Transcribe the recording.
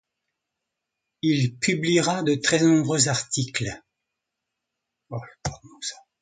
Il publiera de très nombreux articles.